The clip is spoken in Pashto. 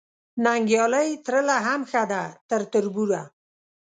ننګیالۍ ترله هم ښه ده تر تربوره